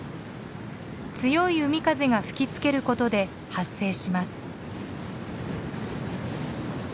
強い海風が吹きつけることで発生します。